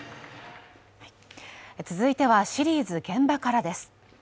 続いてはシリーズ「現場から」です。